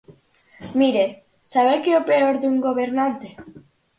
Mire, ¿sabe que é o peor dun gobernante?